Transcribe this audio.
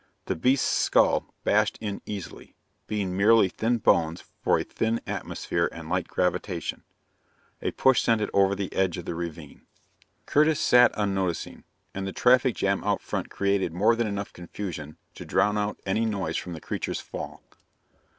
The beast's skull bashed in easily, being merely thin bones for a thin atmosphere and light gravitation. A push sent it over the edge of the ravine. Curtis sat unnoticing, and the traffic jam out front created more than enough confusion to drown out any noise from the creature's fall.